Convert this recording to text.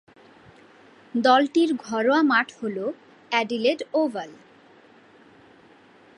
দলটির ঘরোয়া মাঠ হল অ্যাডিলেড ওভাল।